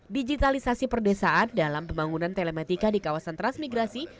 digitalisasi perdesaan dalam pembangunan telematika di kawasan transmigrasi